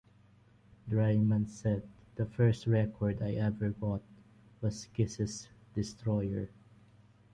Draiman said, "the first record I ever bought was Kiss' "Destroyer".